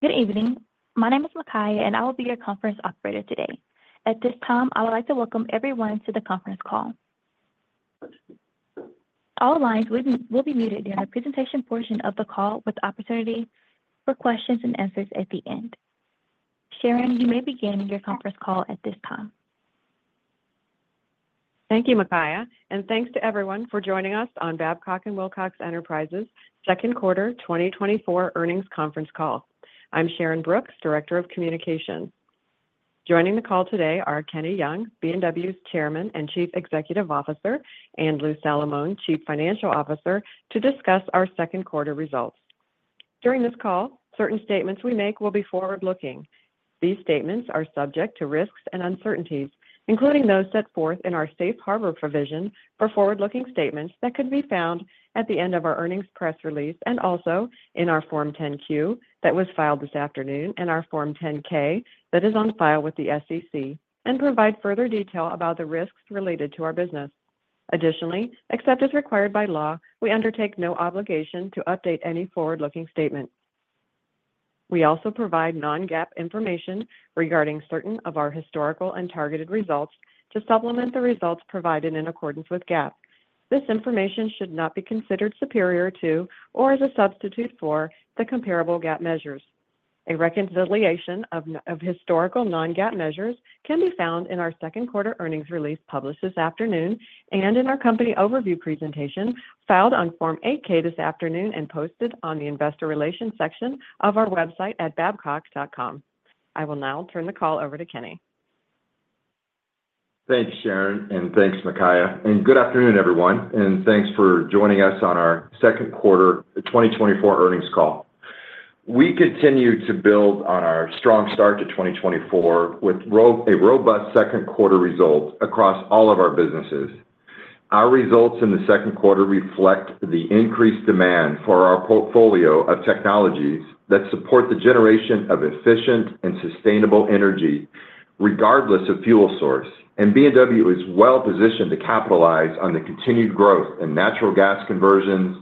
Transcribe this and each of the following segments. Good evening. My name is Makaia, and I will be your conference operator today. At this time, I would like to welcome everyone to the conference call. All lines will be muted during the presentation portion of the call, with opportunity for questions and answers at the end. Sharyn, you may begin your conference call at this time. Thank you, Makaia, and thanks to everyone for joining us on Babcock & Wilcox Enterprises' second quarter 2024 earnings conference call. I'm Sharyn Brooks, Director of Communications. Joining the call today are Kenny Young, B&W's Chairman and Chief Executive Officer, and Lou Salamone, Chief Financial Officer, to discuss our second quarter results. During this call, certain statements we make will be forward-looking. These statements are subject to risks and uncertainties, including those set forth in our safe harbor provision for forward-looking statements that can be found at the end of our earnings press release, and also in our Form 10-Q that was filed this afternoon, and our Form 10-K that is on file with the SEC, and provide further detail about the risks related to our business. Additionally, except as required by law, we undertake no obligation to update any forward-looking statement. We also provide non-GAAP information regarding certain of our historical and targeted results to supplement the results provided in accordance with GAAP. This information should not be considered superior to or as a substitute for the comparable GAAP measures. A reconciliation of historical non-GAAP measures can be found in our second quarter earnings release published this afternoon and in our company overview presentation, filed on Form 8-K this afternoon and posted on the investor relations section of our website at babcock.com. I will now turn the call over to Kenny. Thanks, Sharyn, and thanks, Makaia, and good afternoon, everyone, and thanks for joining us on our second quarter 2024 earnings call. We continue to build on our strong start to 2024, with a robust second quarter result across all of our businesses. Our results in the second quarter reflect the increased demand for our portfolio of technologies that support the generation of efficient and sustainable energy, regardless of fuel source, and B&W is well positioned to capitalize on the continued growth in natural gas conversions,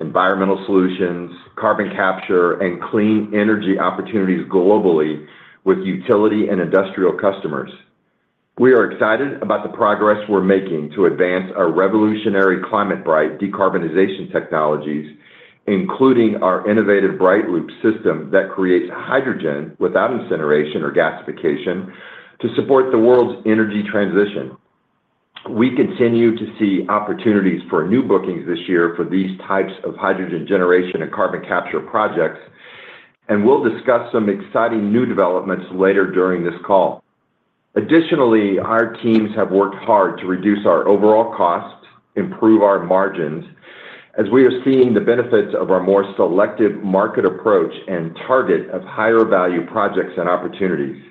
environmental solutions, carbon capture, and clean energy opportunities globally with utility and industrial customers. We are excited about the progress we're making to advance our revolutionary ClimateBright decarbonization technologies, including our innovative BrightLoop system that creates hydrogen without incineration or gasification to support the world's energy transition. We continue to see opportunities for new bookings this year for these types of hydrogen generation and carbon capture projects, and we'll discuss some exciting new developments later during this call. Additionally, our teams have worked hard to reduce our overall costs, improve our margins, as we are seeing the benefits of our more selective market approach and target of higher-value projects and opportunities.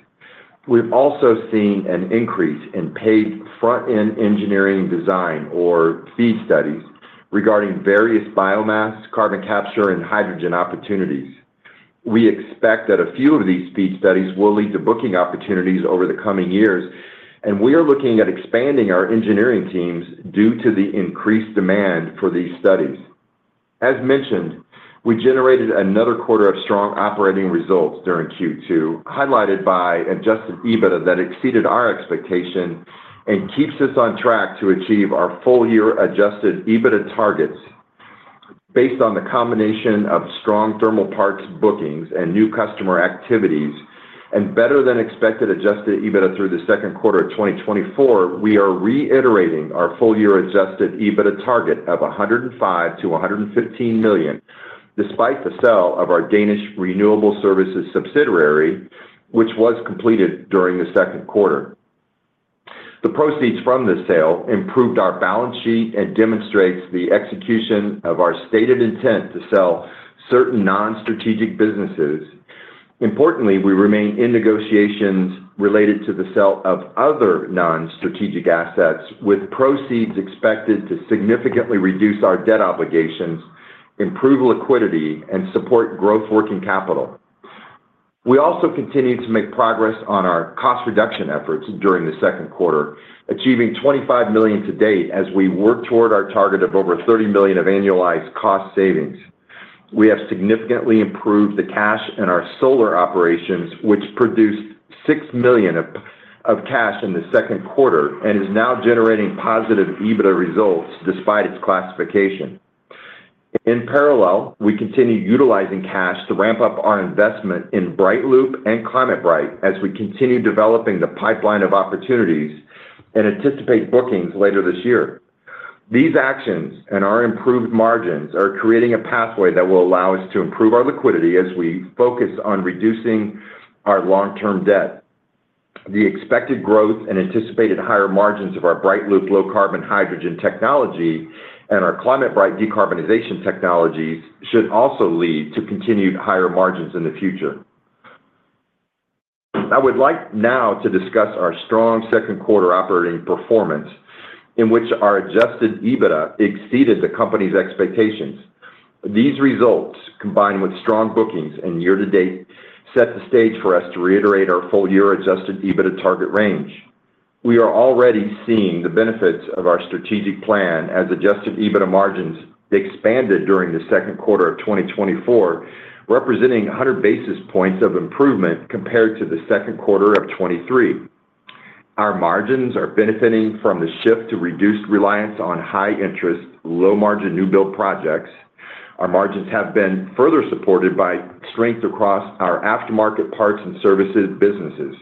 We've also seen an increase in paid front-end engineering design, or FEED studies, regarding various biomass, carbon capture, and hydrogen opportunities. We expect that a few of these FEED studies will lead to booking opportunities over the coming years, and we are looking at expanding our engineering teams due to the increased demand for these studies. As mentioned, we generated another quarter of strong operating results during Q2, highlighted by adjusted EBITDA that exceeded our expectation and keeps us on track to achieve our full-year adjusted EBITDA targets. Based on the combination of strong thermal parts bookings and new customer activities and better-than-expected adjusted EBITDA through the second quarter of 2024, we are reiterating our full-year adjusted EBITDA target of $105 million-$115 million, despite the sale of our Danish Renewable Services subsidiary, which was completed during the second quarter. The proceeds from this sale improved our balance sheet and demonstrates the execution of our stated intent to sell certain non-strategic businesses. Importantly, we remain in negotiations related to the sale of other non-strategic assets, with proceeds expected to significantly reduce our debt obligations, improve liquidity, and support growth working capital. We also continued to make progress on our cost reduction efforts during the second quarter, achieving $25 million to date as we work toward our target of over $30 million of annualized cost savings. We have significantly improved the cash in our solar operations, which produced $6 million of cash in the second quarter and is now generating positive EBITDA results despite its classification. In parallel, we continue utilizing cash to ramp up our investment in BrightLoop and ClimateBright as we continue developing the pipeline of opportunities and anticipate bookings later this year. These actions and our improved margins are creating a pathway that will allow us to improve our liquidity as we focus on reducing our long-term debt. The expected growth and anticipated higher margins of our BrightLoop low-carbon hydrogen technology and our ClimateBright decarbonization technologies should also lead to continued higher margins in the future. I would like now to discuss our strong second quarter operating performance, in which our adjusted EBITDA exceeded the company's expectations. These results, combined with strong bookings and year to date, set the stage for us to reiterate our full-year adjusted EBITDA target range.... We are already seeing the benefits of our strategic plan as adjusted EBITDA margins expanded during the second quarter of 2024, representing 100 basis points of improvement compared to the second quarter of 2023. Our margins are benefiting from the shift to reduced reliance on high-interest, low-margin new build projects. Our margins have been further supported by strength across our aftermarket parts and services businesses.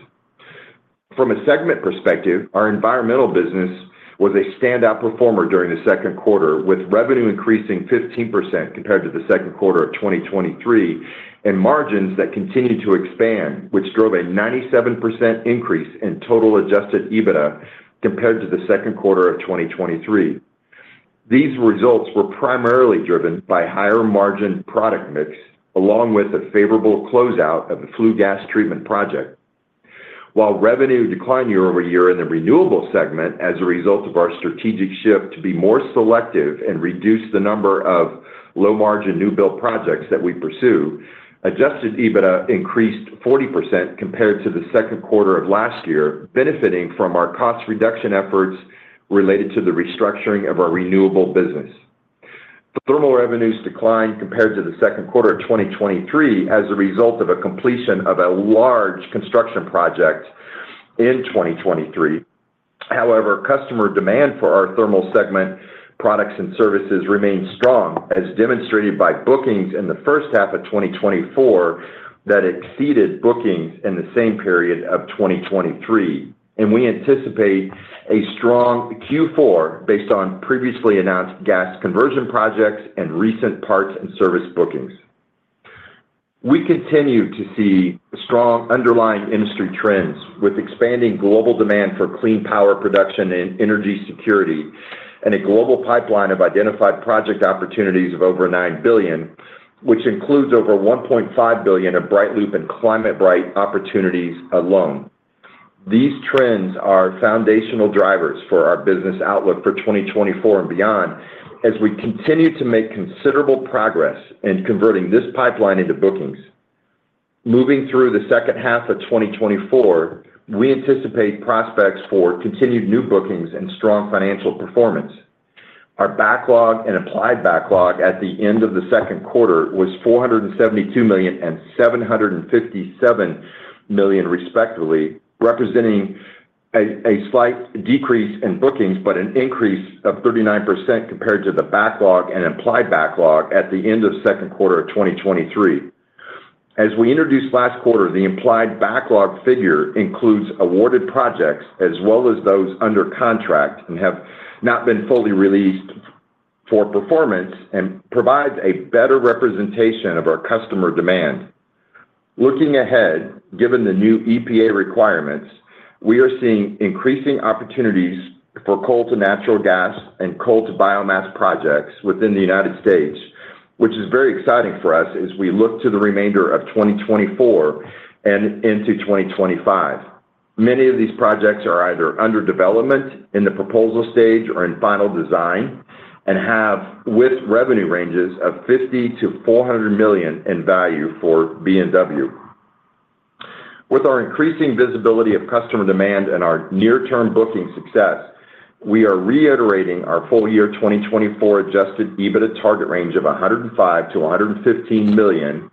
From a segment perspective, our Environmental business was a standout performer during the second quarter, with revenue increasing 15% compared to the second quarter of 2023, and margins that continued to expand, which drove a 97% increase in total adjusted EBITDA compared to the second quarter of 2023. These results were primarily driven by higher-margin product mix, along with a favorable closeout of the flue gas treatment project. While revenue declined year-over-year in the Renewables segment as a result of our strategic shift to be more selective and reduce the number of low-margin new build projects that we pursue, adjusted EBITDA increased 40% compared to the second quarter of last year, benefiting from our cost reduction efforts related to the restructuring of our renewable business. The thermal revenues declined compared to the second quarter of 2023 as a result of a completion of a large construction project in 2023. However, customer demand for our Thermal segment products and services remains strong, as demonstrated by bookings in the first half of 2024 that exceeded bookings in the same period of 2023, and we anticipate a strong Q4 based on previously announced gas conversion projects and recent parts and service bookings. We continue to see strong underlying industry trends, with expanding global demand for clean power production and energy security, and a global pipeline of identified project opportunities of over $9 billion, which includes over $1.5 billion of BrightLoop and ClimateBright opportunities alone. These trends are foundational drivers for our business outlook for 2024 and beyond, as we continue to make considerable progress in converting this pipeline into bookings. Moving through the second half of 2024, we anticipate prospects for continued new bookings and strong financial performance. Our backlog and implied backlog at the end of the second quarter was $472 million and $757 million, respectively, representing a slight decrease in bookings, but an increase of 39% compared to the backlog and implied backlog at the end of second quarter of 2023. As we introduced last quarter, the implied backlog figure includes awarded projects as well as those under contract and have not been fully released for performance and provides a better representation of our customer demand. Looking ahead, given the new EPA requirements, we are seeing increasing opportunities for coal to natural gas and coal to biomass projects within the United States, which is very exciting for us as we look to the remainder of 2024 and into 2025. Many of these projects are either under development in the proposal stage or in final design, and have with revenue ranges of $50-$400 million in value for B&W. With our increasing visibility of customer demand and our near-term booking success, we are reiterating our full-year 2024 adjusted EBITDA target range of $105-$115 million,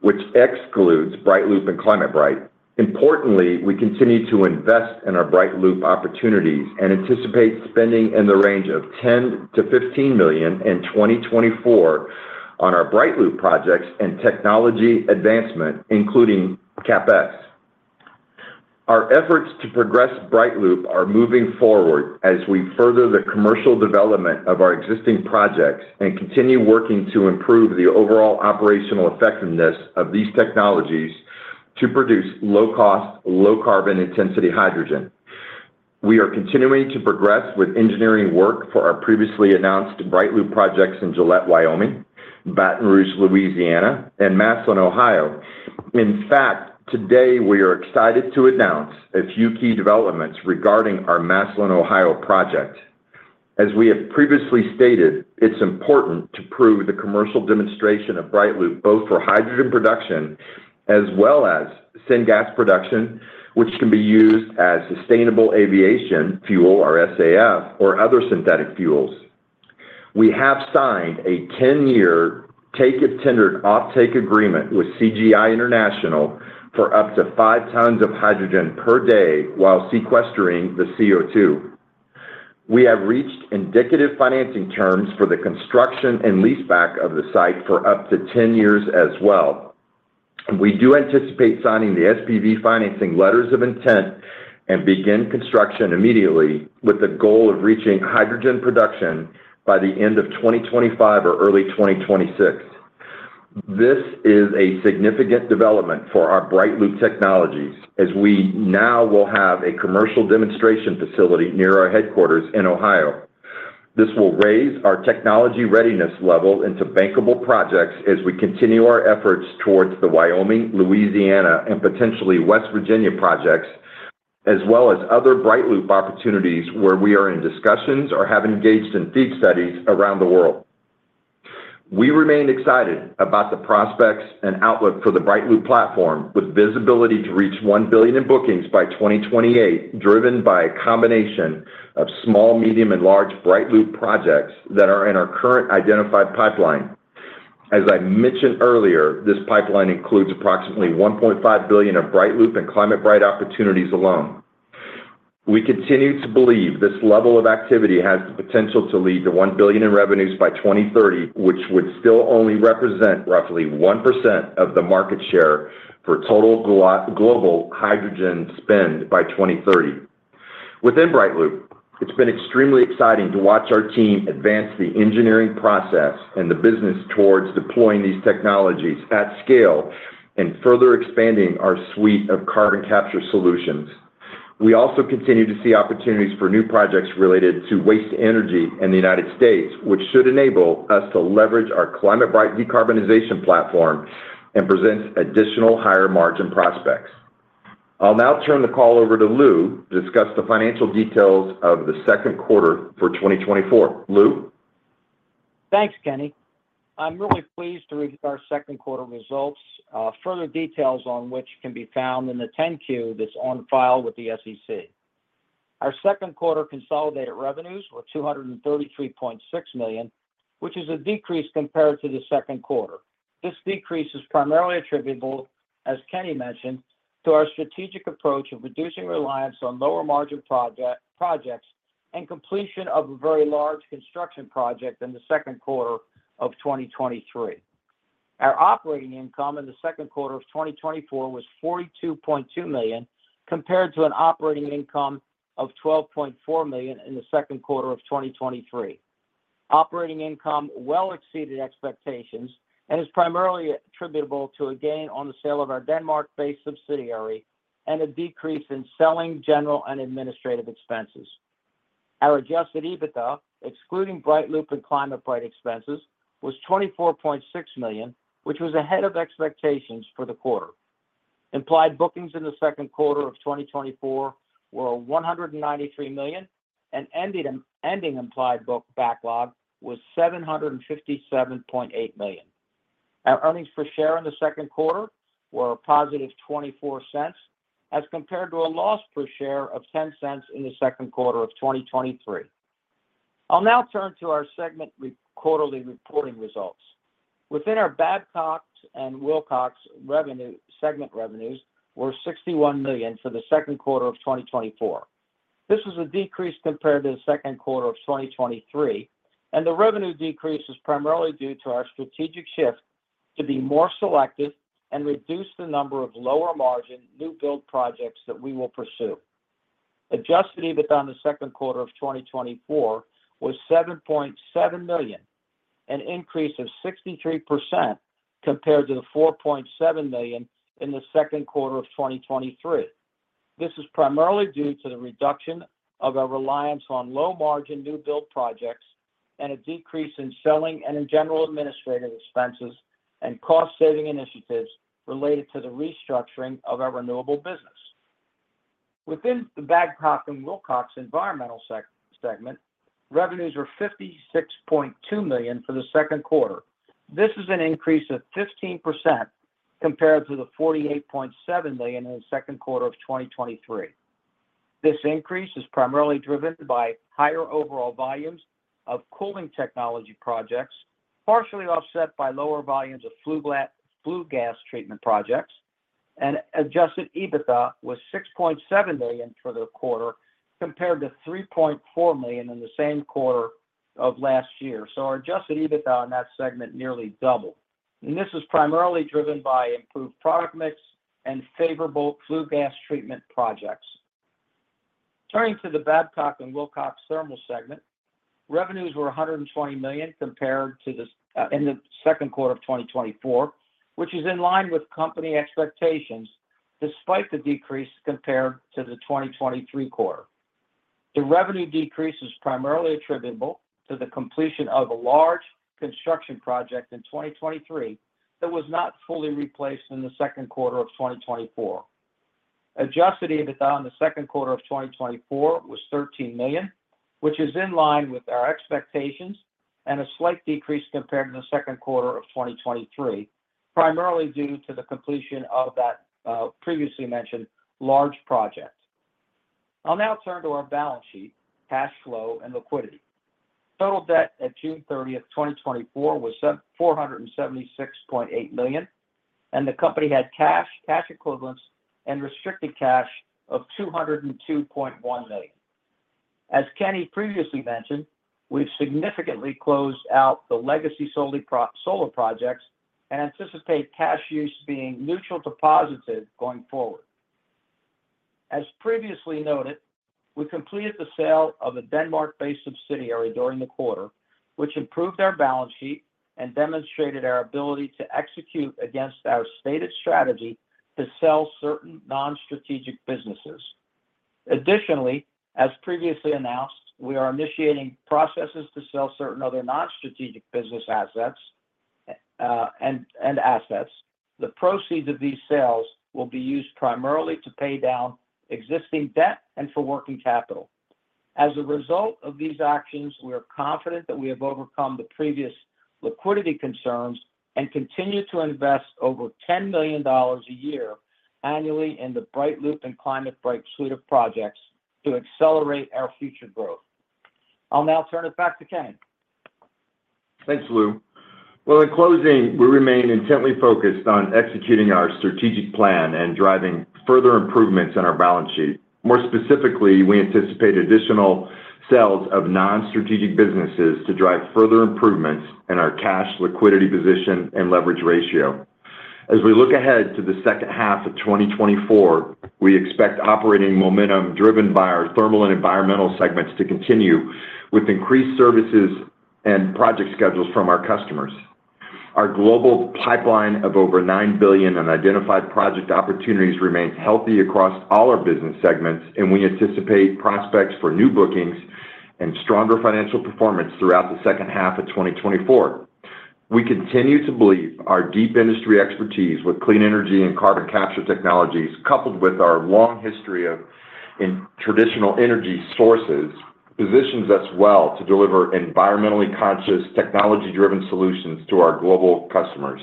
which excludes BrightLoop and ClimateBright. Importantly, we continue to invest in our BrightLoop opportunities and anticipate spending in the range of $10-$15 million in 2024 on our BrightLoop projects and technology advancement, including CapEx. Our efforts to progress BrightLoop are moving forward as we further the commercial development of our existing projects and continue working to improve the overall operational effectiveness of these technologies to produce low cost, low-carbon intensity hydrogen. We are continuing to progress with engineering work for our previously announced BrightLoop projects in Gillette, Wyoming, Baton Rouge, Louisiana, and Massillon, Ohio. In fact, today, we are excited to announce a few key developments regarding our Massillon, Ohio, project. As we have previously stated, it's important to prove the commercial demonstration of BrightLoop, both for hydrogen production as well as syngas production, which can be used as sustainable aviation fuel, or SAF, or other synthetic fuels. We have signed a 10-year take-or-pay offtake agreement with CGI International for up to 5 tons of hydrogen per day while sequestering the CO2. We have reached indicative financing terms for the construction and leaseback of the site for up to 10 years as well. We do anticipate signing the SPV financing letters of intent and begin construction immediately, with the goal of reaching hydrogen production by the end of 2025 or early 2026. This is a significant development for our BrightLoop technologies, as we now will have a commercial demonstration facility near our headquarters in Ohio. This will raise our technology readiness level into bankable projects as we continue our efforts towards the Wyoming, Louisiana, and potentially West Virginia projects, as well as other BrightLoop opportunities where we are in discussions or have engaged in FEED studies around the world.... We remain excited about the prospects and outlook for the BrightLoop platform, with visibility to reach $1 billion in bookings by 2028, driven by a combination of small, medium, and large BrightLoop projects that are in our current identified pipeline. As I mentioned earlier, this pipeline includes approximately $1.5 billion of BrightLoop and ClimateBright opportunities alone. We continue to believe this level of activity has the potential to lead to $1 billion in revenues by 2030, which would still only represent roughly 1% of the market share for total global hydrogen spend by 2030. Within BrightLoop, it's been extremely exciting to watch our team advance the engineering process and the business towards deploying these technologies at scale and further expanding our suite of carbon capture solutions. We also continue to see opportunities for new projects related to waste energy in the United States, which should enable us to leverage our ClimateBright decarbonization platform and present additional higher-margin prospects. I'll now turn the call over to Lou to discuss the financial details of the second quarter of 2024. Lou? Thanks, Kenny. I'm really pleased to review our second quarter results, further details on which can be found in the 10-Q that's on file with the SEC. Our second quarter consolidated revenues were $233.6 million, which is a decrease compared to the second quarter. This decrease is primarily attributable, as Kenny mentioned, to our strategic approach of reducing reliance on lower-margin projects, and completion of a very large construction project in the second quarter of 2023. Our operating income in the second quarter of 2024 was $42.2 million, compared to an operating income of $12.4 million in the second quarter of 2023. Operating income well exceeded expectations and is primarily attributable to a gain on the sale of our Denmark-based subsidiary and a decrease in selling, general, and administrative expenses. Our adjusted EBITDA, excluding BrightLoop and ClimateBright expenses, was $24.6 million, which was ahead of expectations for the quarter. Implied bookings in the second quarter of 2024 were $193 million, and ending implied book backlog was $757.8 million. Our earnings per share in the second quarter were $0.24, as compared to a loss per share of $0.10 in the second quarter of 2023. I'll now turn to our segment quarterly reporting results. Within our Babcock & Wilcox Renewable segment revenues were $61 million for the second quarter of 2024. This was a decrease compared to the second quarter of 2023, and the revenue decrease is primarily due to our strategic shift to be more selective and reduce the number of lower-margin, new-build projects that we will pursue. Adjusted EBITDA in the second quarter of 2024 was $7.7 million, an increase of 63% compared to the $4.7 million in the second quarter of 2023. This is primarily due to the reduction of our reliance on low-margin, new-build projects, and a decrease in selling and general administrative expenses and cost-saving initiatives related to the restructuring of our renewable business. Within the Babcock & Wilcox Environmental segment, revenues were $56.2 million for the second quarter. This is an increase of 15% compared to the $48.7 million in the second quarter of 2023. This increase is primarily driven by higher overall volumes of cooling technology projects, partially offset by lower volumes of flue gas treatment projects, and adjusted EBITDA was $6.7 million for the quarter, compared to $3.4 million in the same quarter of last year. So our adjusted EBITDA in that segment nearly doubled, and this is primarily driven by improved product mix and favorable flue gas treatment projects. Turning to the Babcock & Wilcox Thermal segment, revenues were $120 million compared to the, in the second quarter of 2024, which is in line with company expectations, despite the decrease compared to the 2023 quarter. The revenue decrease is primarily attributable to the completion of a large construction project in 2023, that was not fully replaced in the second quarter of 2024. Adjusted EBITDA in the second quarter of 2024 was $13 million, which is in line with our expectations and a slight decrease compared to the second quarter of 2023, primarily due to the completion of that previously mentioned large project. I'll now turn to our balance sheet, cash flow, and liquidity. Total debt at June 30, 2024, was $476.8 million, and the company had cash, cash equivalents and restricted cash of $202.1 million. As Kenny previously mentioned, we've significantly closed out the legacy solar projects and anticipate cash use being neutral to positive going forward. As previously noted, we completed the sale of a Denmark-based subsidiary during the quarter, which improved our balance sheet and demonstrated our ability to execute against our stated strategy to sell certain non-strategic businesses. Additionally, as previously announced, we are initiating processes to sell certain other non-strategic business assets. The proceeds of these sales will be used primarily to pay down existing debt and for working capital. As a result of these actions, we are confident that we have overcome the previous liquidity concerns and continue to invest over $10 million a year annually in the BrightLoop and ClimateBright suite of projects to accelerate our future growth. I'll now turn it back to Kenny. Thanks, Lou. Well, in closing, we remain intently focused on executing our strategic plan and driving further improvements in our balance sheet. More specifically, we anticipate additional sales of non-strategic businesses to drive further improvements in our cash liquidity position and leverage ratio. As we look ahead to the second half of 2024, we expect operating momentum driven by our thermal and environmental segments to continue, with increased services and project schedules from our customers. Our global pipeline of over $9 billion in identified project opportunities remains healthy across all our business segments, and we anticipate prospects for new bookings and stronger financial performance throughout the second half of 2024. We continue to believe our deep industry expertise with clean energy and carbon capture technologies, coupled with our long history of in traditional energy sources, positions us well to deliver environmentally conscious, technology-driven solutions to our global customers.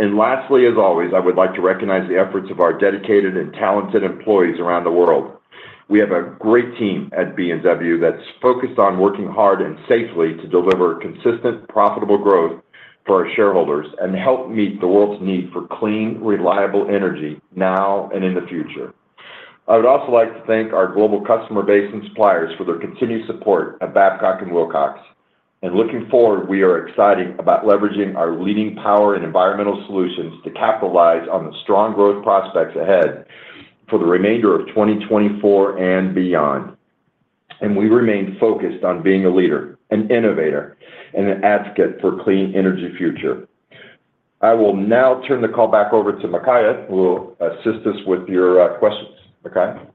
Lastly, as always, I would like to recognize the efforts of our dedicated and talented employees around the world. We have a great team at B&W that's focused on working hard and safely to deliver consistent, profitable growth for our shareholders and help meet the world's need for clean, reliable energy now and in the future. I would also like to thank our global customer base and suppliers for their continued support of Babcock & Wilcox. Looking forward, we are excited about leveraging our leading power and environmental solutions to capitalize on the strong growth prospects ahead for the remainder of 2024 and beyond. We remain focused on being a leader, an innovator, and an advocate for clean energy future. I will now turn the call back over to Makaia, who will assist us with your questions. Makaia?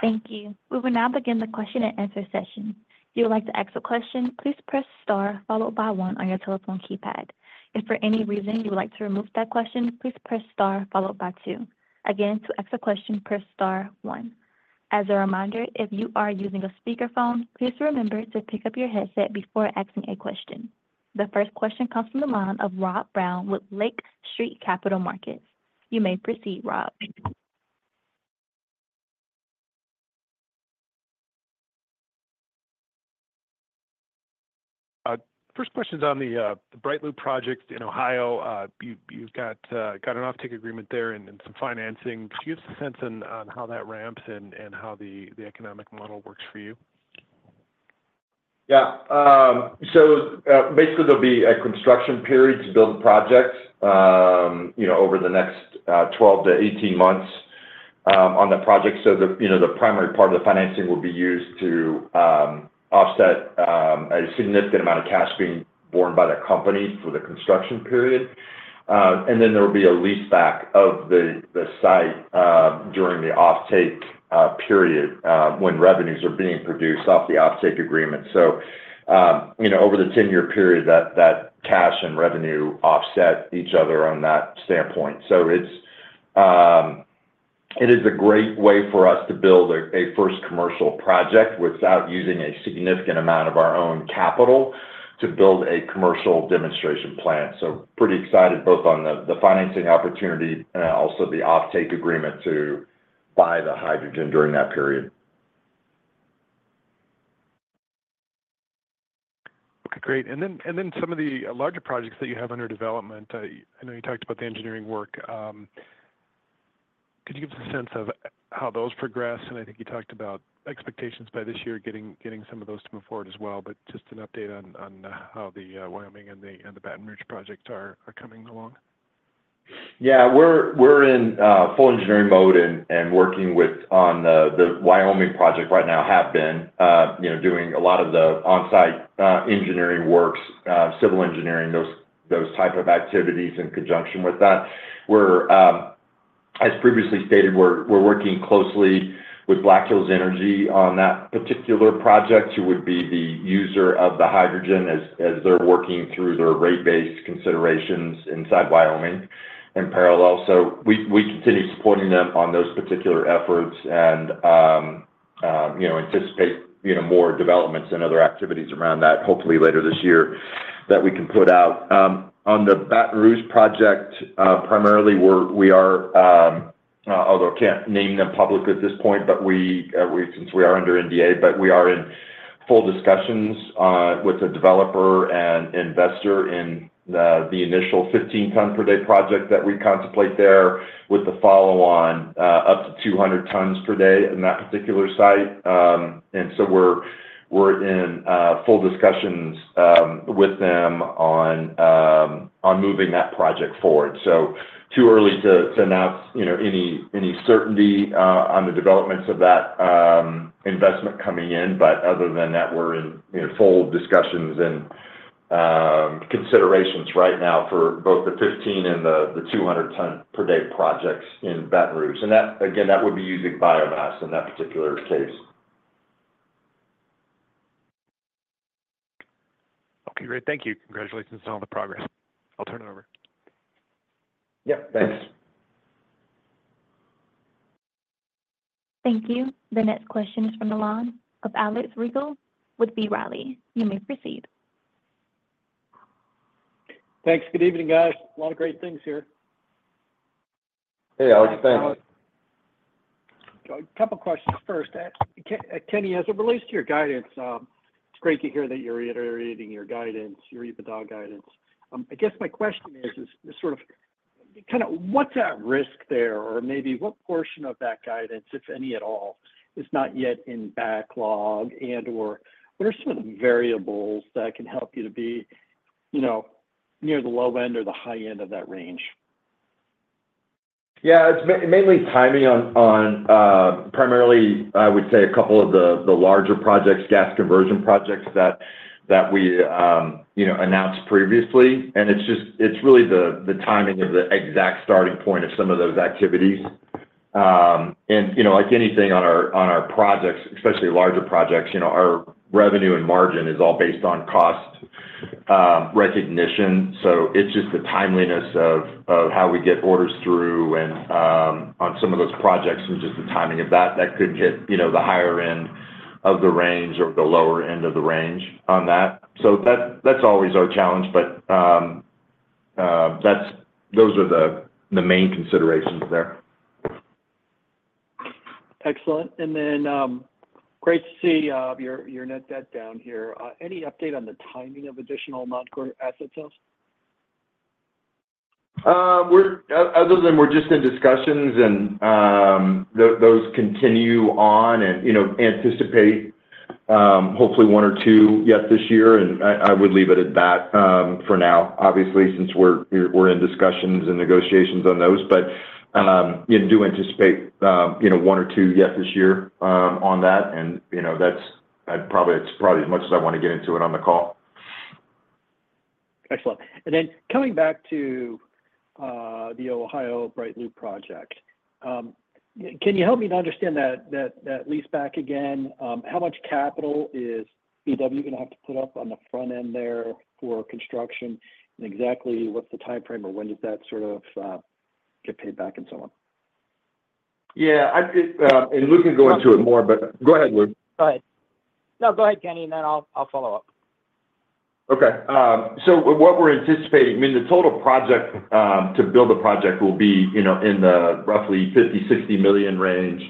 Thank you. We will now begin the question-and-answer session. If you would like to ask a question, please press star followed by one on your telephone keypad. If for any reason you would like to remove that question, please press star followed by two. Again, to ask a question, press star one. As a reminder, if you are using a speakerphone, please remember to pick up your headset before asking a question. The first question comes from the line of Rob Brown with Lake Street Capital Markets. You may proceed, Rob. First question is on the BrightLoop project in Ohio. You've got an offtake agreement there and some financing. Could you give us a sense on how that ramps and how the economic model works for you? Yeah. So, basically, there'll be a construction period to build the project, you know, over the next 12-18 months, on the project. So the, you know, the primary part of the financing will be used to offset a significant amount of cash being borne by the company through the construction period. And then there will be a leaseback of the, the site, during the offtake period, when revenues are being produced off the offtake agreement. So, you know, over the 10-year period, that, that cash and revenue offset each other on that standpoint. So it's, it is a great way for us to build a, a first commercial project without using a significant amount of our own capital to build a commercial demonstration plant. So pretty excited both on the financing opportunity and also the offtake agreement to buy the hydrogen during that period. Okay, great. And then some of the larger projects that you have under development, I know you talked about the engineering work. Could you give us a sense of how those progress? And I think you talked about expectations by this year, getting some of those to move forward as well. But just an update on how the Wyoming and the Baton Rouge projects are coming along. Yeah, we're in full engineering mode and working on the Wyoming project right now, have been, you know, doing a lot of the on-site engineering works, civil engineering, those type of activities in conjunction with that. We're, as previously stated, we're working closely with Black Hills Energy on that particular project, who would be the user of the hydrogen as they're working through their rate-based considerations inside Wyoming in parallel. So we continue supporting them on those particular efforts and, you know, anticipate, you know, more developments and other activities around that, hopefully later this year, that we can put out. On the Baton Rouge project, primarily, we are, although I can't name them publicly at this point, but since we are under NDA, but we are in full discussions with the developer and investor in the initial 15-ton-per-day project that we contemplate there, with the follow-on up to 200 tons per day in that particular site. And so we're in full discussions with them on moving that project forward. So too early to announce, you know, any certainty on the developments of that investment coming in. But other than that, we're in, you know, full discussions and considerations right now for both the 15 and the 200 ton per day projects in Baton Rouge. That, again, that would be using biomass in that particular case. ... Okay, great. Thank you. Congratulations on all the progress. I'll turn it over. Yep, thanks. Thank you. The next question is from the line of Alex Rygiel with B. Riley. You may proceed. Thanks. Good evening, guys. A lot of great things here. Hey, Alex. Thanks. A couple questions. First, K- Kenny, as it relates to your guidance, it's great to hear that you're reiterating your guidance, your EBITDA guidance. I guess my question is, sort of, kind of what's at risk there? Or maybe what portion of that guidance, if any at all, is not yet in backlog, and/or what are some of the variables that can help you to be, you know, near the low end or the high end of that range? Yeah, it's mainly timing on, primarily, I would say a couple of the larger projects, gas conversion projects that we, you know, announced previously. And it's just—it's really the timing of the exact starting point of some of those activities. And, you know, like anything on our projects, especially larger projects, you know, our revenue and margin is all based on cost recognition. So it's just the timeliness of how we get orders through and on some of those projects and just the timing of that that could hit, you know, the higher end of the range or the lower end of the range on that. So that's always our challenge, but that's—those are the main considerations there. Excellent. Great to see your net debt down here. Any update on the timing of additional non-core asset sales? Other than that, we're just in discussions and those continue on and, you know, anticipate hopefully one or two yet this year, and I would leave it at that for now. Obviously, since we're in discussions and negotiations on those. But yeah, do anticipate, you know, one or two yet this year on that, and, you know, that's. I'd probably, it's probably as much as I want to get into it on the call. Excellent. And then coming back to the Ohio BrightLoop project, can you help me to understand that leaseback again? How much capital is BW going to have to put up on the front-end there for construction, and exactly what's the timeframe, or when does that sort of get paid back and so on? Yeah, I think and Lou can go into it more, but go ahead, Lou. Go ahead. No, go ahead, Kenny, and then I'll follow up. Okay. So what we're anticipating, I mean, the total project to build the project will be, you know, in the roughly $50-$60 million range.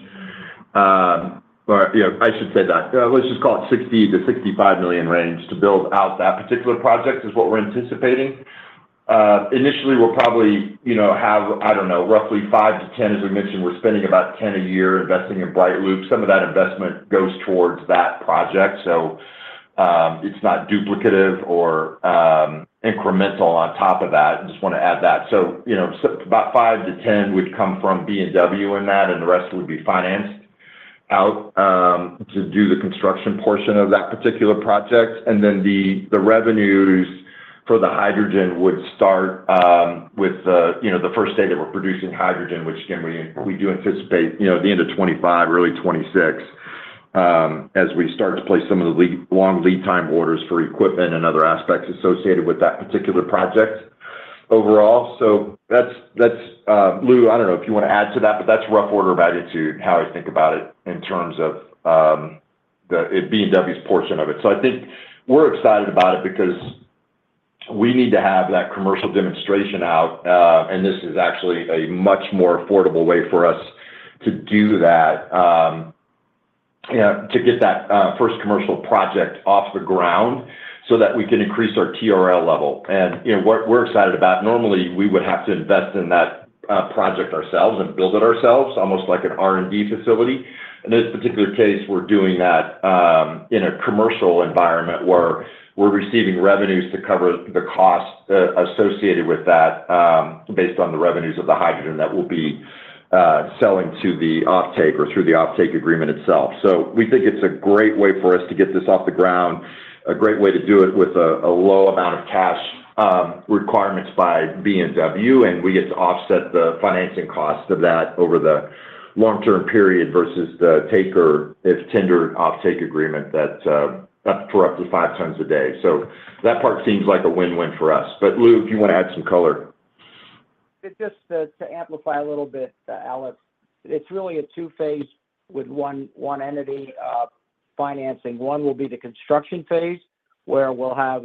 Or, you know, I should say that. Let's just call it $60-$65 million range to build out that particular project is what we're anticipating. Initially, we'll probably, you know, have, I don't know, roughly $5-$10 million. As we mentioned, we're spending about $10 million a year investing in BrightLoop. Some of that investment goes towards that project, so, it's not duplicative or incremental on top of that. I just want to add that. So, you know, so about $5-$10 million would come from B&W in that, and the rest would be financed out to do the construction portion of that particular project. And then the revenues for the hydrogen would start with the, you know, the first day that we're producing hydrogen, which again, we do anticipate, you know, the end of 2025, early 2026, as we start to place some of the long lead time orders for equipment and other aspects associated with that particular project overall. So that's Lou, I don't know if you want to add to that, but that's rough order of magnitude and how I think about it in terms of the B&W's portion of it. So I think we're excited about it because we need to have that commercial demonstration out and this is actually a much more affordable way for us to do that, you know, to get that first commercial project off the ground so that we can increase our TRL level. You know, what we're excited about, normally, we would have to invest in that project ourselves and build it ourselves, almost like an R&D facility. In this particular case, we're doing that in a commercial environment, where we're receiving revenues to cover the cost associated with that based on the revenues of the hydrogen that we'll be selling to the offtake or through the offtake agreement itself. So we think it's a great way for us to get this off the ground, a great way to do it with a low amount of cash requirements by B&W, and we get to offset the financing cost of that over the long-term period versus the take or if tendered, offtake agreement that's for up to 5 tons a day. So that part seems like a win-win for us. But, Lou, if you want to add some color. Just to amplify a little bit, Alex, it's really a two-phase with one entity financing. One will be the construction phase, where we'll have,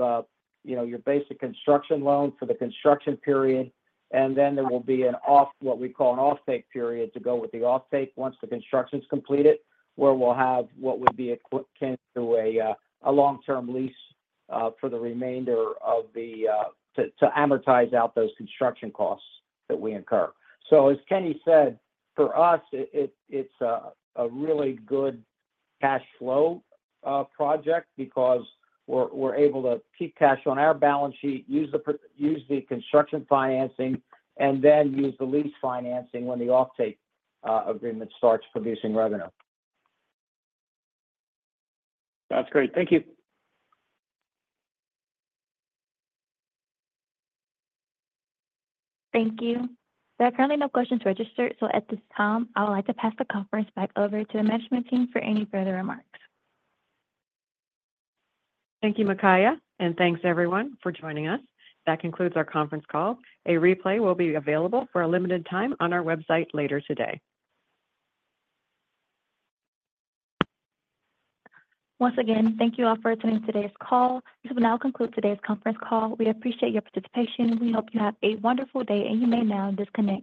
you know, your basic construction loan for the construction period, and then there will be an offtake period, to go with the offtake once the construction's completed, where we'll have what would be equivalent to a long-term lease, for the remainder of the to amortize out those construction costs that we incur. So, as Kenny said, for us, it, it's a really good cash flow project because we're able to keep cash on our balance sheet, use the construction financing, and then use the lease financing when the offtake agreement starts producing revenue. That's great. Thank you. Thank you. There are currently no questions registered, so at this time, I would like to pass the conference back over to the management team for any further remarks. Thank you, Makaia, and thanks everyone for joining us. That concludes our conference call. A replay will be available for a limited time on our website later today. Once again, thank you all for attending today's call. This will now conclude today's conference call. We appreciate your participation. We hope you have a wonderful day, and you may now disconnect.